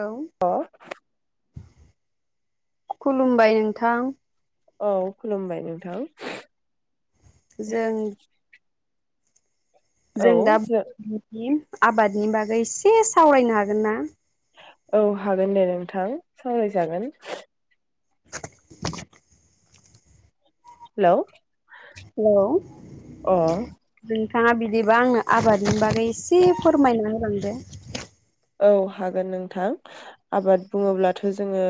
औे अ खुलुमबाय नोंथां औ खुलुमबाय नोंथां जों औ जों दा जो आबादनि बागै एसे सावरायनो हागोन ना औ हागोन दे नोंथां सावरायजागोन [inaudible] हेलौ हेलौ अ बिथाङा बिदिबा आंनो आबादनि बागै एसे फोरमायना होलांदो औ हागोन नोंथां आबाद बुङोब्लाथ' जोङो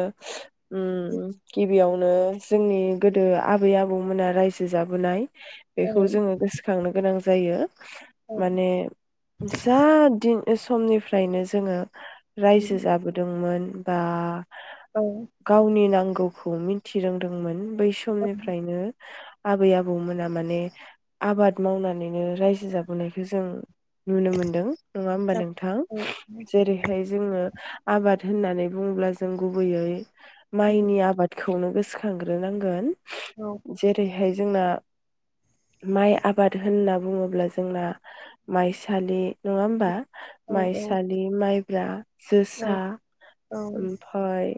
ओम गिबियावनो जोंनि गोदो आबै आबौमोना रायजो जाबोनाय औ बेखौ जोङो गोसो खांनो गोनां जायो औ माने जा दिन बे समनिफ्रायनो जोङो रायजो जाबोदोंमोन बा औ गावनि नां गौखौ मिथि रोंदोंमोन बै समनिफ्रायनो आबै आबौमोना माने आबाद मावनानैनो रायजो जाबोनायखो जों नुनो मोनदों नङा होनोमबा नोंथां जेरैहाय जोङो आबाद होननानै बुङोब्ला जों गुबैयै माइनि आबादखौ खौनो गोसोखांग्रोनांगोन औ औ जेरै बेहाय जोंना माइ आबाद होनना बुङोब्ला जोंना माइसालि नङा होमबा? औ औ माइसालि माइब्रा जोसा ओमफ्राय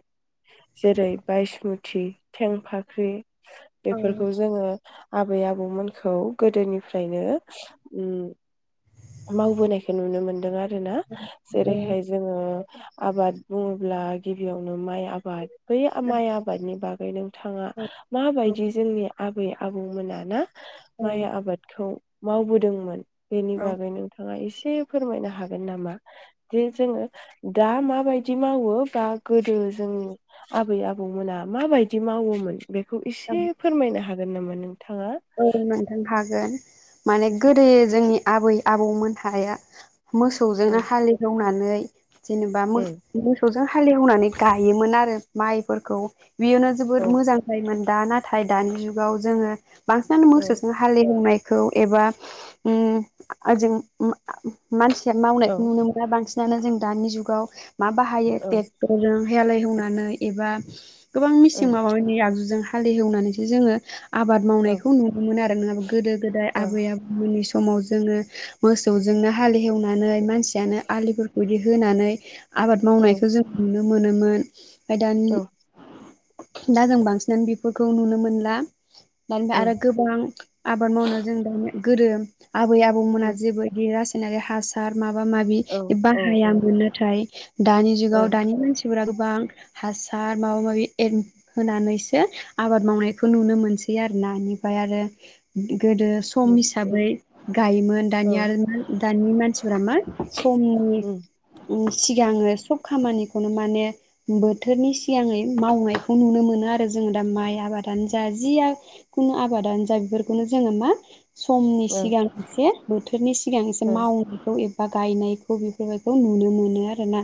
जेरै बायसमुथि थेंफाख्रि बेफोरखौ जोङो आबै आबौमोनखौ गोदोनिफ्रायनो मावबोनायखौ नुनो मोनदों आरो। ना जेरैहाय जोङो आबाद बुङोब्ला गिबियावनो माइ आबाद बै माइ आबादनि बागै बेनो थाङा माबायदि जोंनिया आबै आबौमोना ना माइ आबादखौ मावबोदोंमोन बेनि औ बागै नोंथाङा एसे एसे फोरमायनो हागोन नामा? जे जोङो दा माबायदि मावो बा गोदो जोंनि आबै आबौमोना माबायदि मावोमोन? बेखौ औ इसे फोरमायनो हागोन। गोन नामा नोंथाङा? औ नोंथां हागोन माने गोदो जोंनि आबै आबौमोन हाया औ मोसौजोंनो हालेवनानै नै जेनेबा मो औ जों हालेवनानै गायोमोन आरो माइफोरखौ बेयावनो जोबोर औ मोजां जायोमोन दा नाथाय दानि जुगाव जोङो बांसिनानो मोसौजों हालिएवनाय खौ एबा ओम [unintelligible] मानसिया औ मावनायखौ नुनो मोना बांसिन नानो जों दानि जुगाव मा बाहायो औ टेक्टरजों हालेव एवनानै एबा गोबां औ मिसिं माबा माबि आगजुजों हालेवनानैसो जोङो आबाद औ मावनायखौ खौ नुनो मोन आरो नोङाबा गोदो गोदाय ओ आबै आबौमोननि समाव जोङो मोसौजोंनो हालेवनानै मानसियानो आलिफोरखौ इदि होनानै आबाद ओ मावनायखौ जों नुनो मोनोमोन ओमफाय दानि औ दा जों बांसिनानो बेफोरखौ नुनो मोनला दा ओमफाय ओ आरो गोबां आबाद मावनो जों दा गोरो आबै आबौमोना ओ जेबो गेरा नारि हासार माबा माबि औ औ बाहायामोन नाथाय दानि औ जुगाव दानि मानसिफोरा गोबां हासार माबा माबि एर होनानैसो आबाद मावनायखौ नुनो मोनसै आरो ना। ओमफ्राय आरो गोदो सम हिसाबै गायोमोन दानिया औ दानि मानसिफोरा मा समनि सिगाङो सब खामानिखौनो माने बोथोरनि सिगाङै मावनायखौ नुनो मोनो आरो जोङो दा माइ आबादानो जा जिआ खुनु आ बादानो जा बेफोरखौनो जोङो मा समनि सिगां एसे बोथोरनि सिगां एसे मावनायखौ ए बा गायनायखौ बेफोरबायखौ नुनो मोनो आरो ना?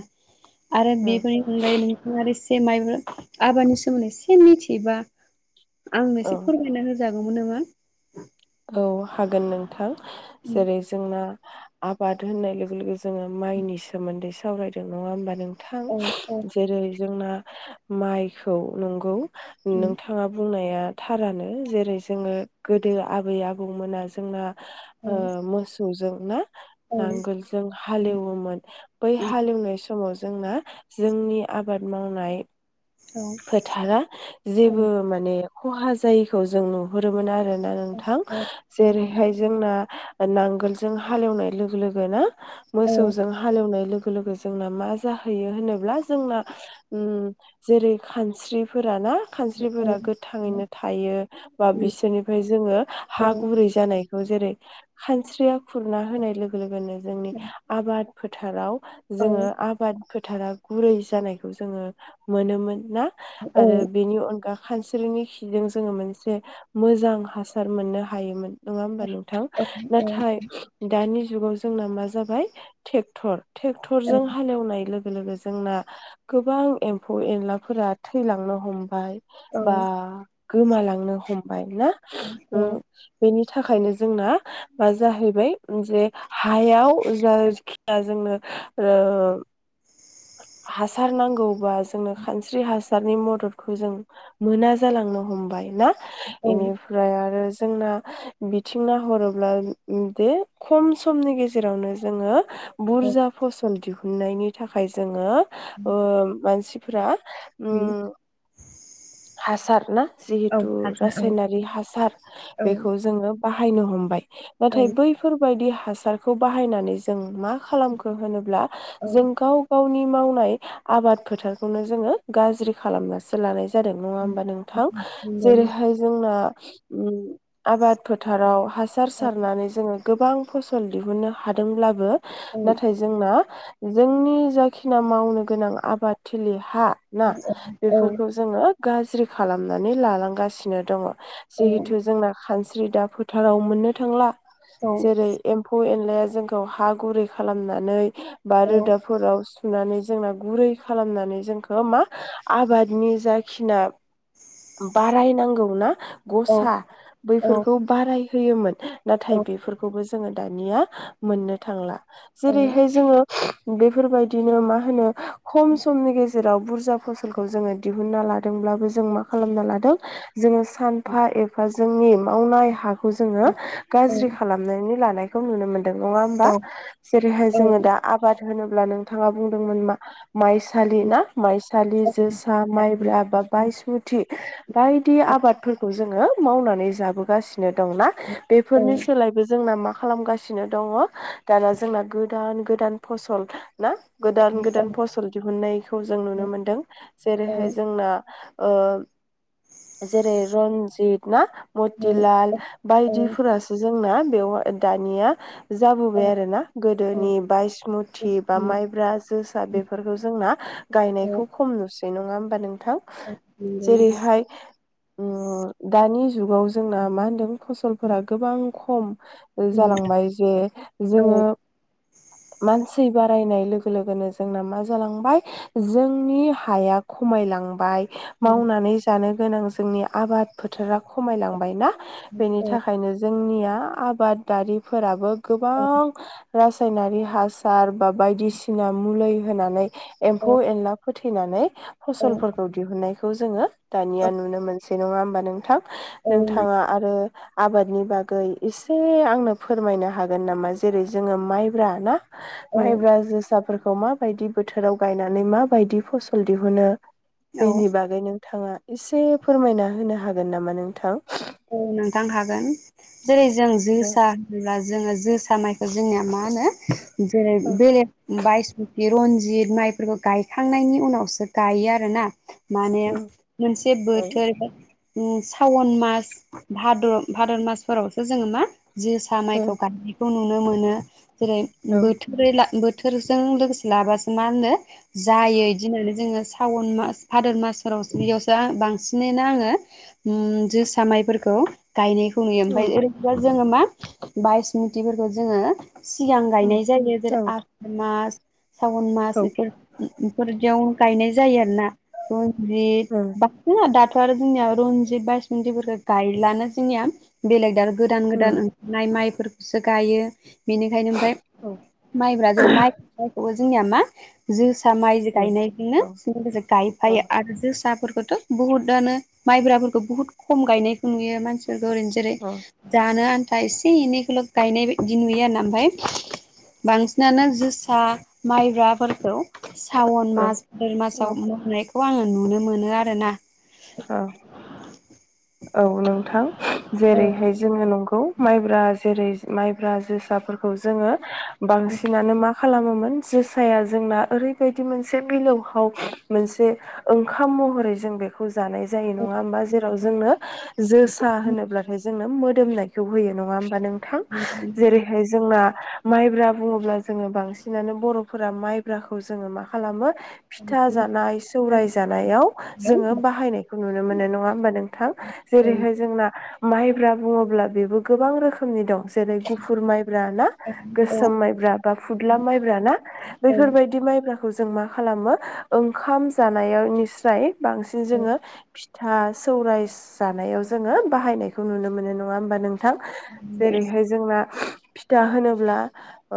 आरो औ बेफोरनि अनगायै [unintelligible] से माइबा आबादनि सोमोन्दै एसे मिथियोबा आंनो औ एसे फोरमायना हो जागौमोन नामा औ हागोन नोंथां जेरै जोंना आबाद होन्नाय लोगो लोगो जोङो माइनि सोमोन्दैस सावरायदों नङा होमबा नों थां औ औ जेरै जोंना माइखौ नंगौ नोंथाङा बुंनाया थारानो जेरै जोङो गोदो आ बै आबौमोना जोंना औ ओ मोसौ जों ना औ नांगोलजों हालेवोमोन बै हालेवनाय स समाव जोंना जोंनि आबाद मावनाय फोथारा जेबो माने खहा जायैखौ जों नुहुरोमोन आरो ना नोंथां जेरैहाय जोंना नांगोलजों हालेवनाय लोगो लोगोनो औ मोसौजों हालेवनाय लोग गो लोगो जोंना मा जाहैयो होनोब्ला जोंना उम जेरै खानस्रिफोरा ना औ खानस्रिफोरा गोथाङैनो थायो बा औ बिसोरनिफ्राय जोङो हा नंगौ गुरै जानाय ओ जेरै खानस्रिया खुरना होनाय लोगो लोगोनो जोंनि आबाद फोथाराव जोङो नोंथां। आबाद फोथारा गुरै जानायखौ जोङो मोनोमोन ना आरो बेनि अनखा खानस्रिनि खिजों जोङो मोनसे मोजां हासार मोननो हायोमोन नङा होमबा नोंथां नाथाय दानि जुगाव जोंना मा जाबाय ट्रेक्टर ट्रेक्टरजों हालेवनाय लोगो लोगो जोंना गोबां एम्फौ एनलाफोरा थैलांनो हमबाय बा गोमालांनो हमबाय ना ओम थाखायनो जोंना मा जाहैबाय जे हायाव जायखिाया जोंनो ओ हासार नांगौबा जोंनो खानस्रि हासारनि मददखौ जों मोना जालांनो हमबाय ना बेनिफ्राय आरो जोंना बिथिं नाहरोब्ला बे खम समनि गेजेरावनो जोङो बुरजा फसल मोननायनि थाखाय जोङो अ मानसि फोरा उम हासार [inaudible] जिहेथु रासायनारि हासार बेखौ जोङो बाहायनो हमबाय नाथाय बैफोरबायदि हासारखौ बाहायनानै जों मा खालामखो होनोब्ला जों गाव गावनि मावनाय आबाद फोथार खौनो जोङो गाज्रि खालामनासो लानाय जायो जादों नङा होमबा नोंथां जेरैहाय जोंना उम आबाद फोथाराव हासार सारनानै जोङो गोबां फसल दिहुननो हादोंब्लाबो नाथाय जोंना जोंनि जाखिना मावनो गोनां आबाद थिलिया हा ना बेफोरखौ जोङो गाज्रि खालामनानै लालांगासिनो दङ जिहेथु जोंना खायसेया जि दा फोथाराव मोननो थांला जेरै एम्फौ एनला एनलाया जोंखौ हा गुरै खालामनानै बा रोदा फोराव फुनानै जोंना गुरै खालामनानै जोंखौ मा आबादनि जाखिना बारायनांगौ ना गसा बैफोरखौ बाराय होयोमोन नाथाय बेफोरखौबो जों जोङो दानिया मोननो थांला जेरैहाय जोङो बेफोरबायदिनो मा होनो? खम समनि जेराव बुरजा फसलखौ जोङो दिहुनना लादोंब्लाबो जों मा खालामना लादों? जोङो सानफा एफा जों जोंनि मावनाय हा खौ जोङो गाज्रि खालामनानै लानाय खौ नुनो मोनो दों नङा होमबा जेरैहाय जोङो दा आबाद होनोब्ला नोंथाङा बुंदोंमोन मा माइसालि ना माइसालि जोसा माइब्रा बा बायसुथि बायदि आबादफोरखौ जों जोङो मावनानै जाबोगासि नों दंना बेफोरनि सोलायबो जोंङो माव खालामगासिनो दङ दाना जोंना गोदान गोदान फसल ना गोदान गोदान फस फोर दिहुननायखौ जों नुनो मोनदों जेरैहाय जोंना ओ जेरै रन्जित ना मथिलाल बायदिफोरासो जों जोंना बेवाय दानिया जाबोबाय आरो ना गोदोनि बायसमुथि बा माइब्रा जोसा बे आरो जोंना गायनायखौ खम नु सै नङा होमबा नों थां जेरैहाय उ दानि जुगाव जोंना मा होनदों फसलफोरा गोबां खम जालांबाय जे जोङो मा सै बारायनाय लोगो लोगोनो जोंना मा जालांबाय जोंनि हाया खमायलांबाय मावनानै जानो गोनां जोंनि आबाद फोथाराव खमायलांबायना बेनि थाखायनो जोंनिया आबादारिफोराबो गोबां रासायनारि हासार बा बायदिसिना मुलै होनानै एमफु एनालाफोर थैनानै औ फसलफोरखौ दिहुननाय खौ जोङो औ दानिया नुनो मोनसै बे नङा होमबा नोंथां नों थाङा आरो आबादनि बागै एसे आंनो फोरमायनो हागोन नामा जेरै जोङो माइब्रा ना माइब्रा औ जोसाब फोरखौ मा बायदि बोथोराव गायनानै माबायदि फसल दिहुनो औ बेनि बागैनो नोंथाङा एसे फोरमायना होनो हागोन नामा नोंथां औ नोंथां हागोन जेरै जों औ जोसा होनब्ला जोङो जोसा माइखौ जोंनिया मा होनो जेरै औ बे बाइस बे रनजित माइफोरखौ गायखांनायनि उनावसो गायो आरोना माने औ मोनसे औ बोथोर सावन मास भाद्र भादोर मासफोरावसो जोङो मा जोसा औ माइखौ गायनायखौ नुनो नुनो मोनो जेरै औ बोथोर बोथोरजों लोगोसे लाबासो मा होनो जायो इदि होननानै जोङो सावन मास भादोर मासफोरावो बेयावसो बांसिनैनो आङो ओम जोसा माइफोर खौ गायनायखौ नुयो औ ओमफाय ओरैजा जोङो मा बायसमुथिफोरखौ जोङो सिगां गायनाय जायो औ जेरै आसार मास सावन मासफोर इफोर-इफोरदियाव गायनाय जायो रनजित [unintelligible] बेथ' आरो जोंनिया रनजित बायसमथिफोरखौ गायलानो जोंनिया बेलग [unintelligible] गोदान गोदान ओंखारनाय माइ फोरखौसो गायो बेनिखायनो ओमफाय माइब्रा जेरै माइखौबो जोंनिया मा जोसा माइ गायनायजोंनो गायफायो आरो जोसाफोरखौ थ बुहुदानो माइब्राफोरखौ बहुत खम गायनाय नुयो मानसि फोरखौ ओरैनो जेरै औ जानो आनथा दा एसे एनैखौल' गायनाय बायदि नुयो आरोना ओमफाय बांसिनानो जोसा माइब्राफोरखौ सावन मास भादोर मासाव औ मावनाय खौ आङो नुनो मोनो आरोना [inaudible] औ औ नोंथां जेरैहाय जोङो नंगौ माइब्रा जेरै माइब्रा जोसाफोरखौ जोङो बांसिनानो मा खालामोमोन जोसाया जोंना ओरैबायदि मोनसे बिलौहाब मोनसे ओंखाम महरै जों बेखौ जानाय जायो नङा होमबा जेराव जोंनो जोसा होनोब्लाथाय जोङो मो मोदोमनायखौ बेरहा नङा होमबा नोंथां जेरैहाय जोंना माइब्रा बुङोब्ला जोङो बांसिनानो बर'फोरा माइब्राखौ जोङो मा खालामो फिथा जानाय सौराय जानायाव जोङो बाहायनायखौ नुनो मोनो नङा होमबा नोंथां औ जेरैहाय जोंना माइब्रा बुङोब्ला बेबो गोबां रोखोमनि दं जेरै गुफुर माइब्रा ना औ गोसोम माइब्रा बा फुदला माइब्राना औ बैफोरबायदि माइब्रा खौ जों मा खालामो ओंखाम जानायाव निस्राय बां जोङो फिथ था सौराय जानायाव जोङो बाहायनायखौ नुनो मोनो नङा होमबा नों थां जेरैहाय जोंना फिथा होनोब्ला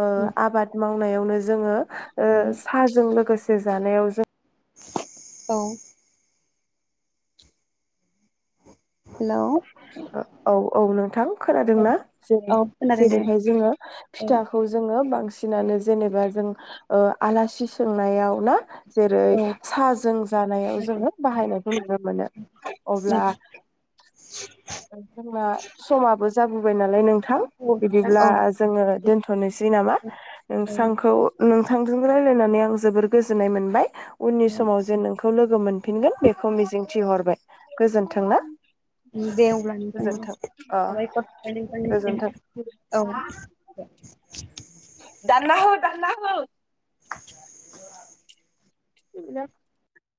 ओ आबाद माव थांनायावनो जोङो ओ औ साजों लोगोसे जानायाव जों औ हेलौ औ औ औ नोंथां खोनादोंना जैरै खोनादों दे जेरैहाय जोङो औ फिथाखौ जोङो बां बांसिनानो जेनेबा जों ओ आलासि सोंनायाव ना जेरै औ साहाजों जानायाव जोङो बाहायनायखौ नुनो मोनो अब्ला नोंथां [unintelligible] समाबो जाबोबाय नालाय नों थां बिदिब्ला औ जोङो दोनथ'नोसै नामा नोंस्रांखौ नों नोंथांजों रायलायनानै आं जोबोर गोजोननाय मोनबाय उननि समाव जेन नोंखौ लोगो लोगो मोनफिनगोन बेखौ मिजिंथिहरबाय गोजोन्थों ना उम दे अब्ला नोंथां औ गोजोन्थों अ साबायखर नोंथांनिसिम गोजोन्थों औ दे दानना हो दानना हो [unintelligible] हि ल'